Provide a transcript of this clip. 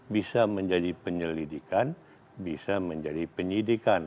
bisa menjadi penyelidikan bisa menjadi penyidikan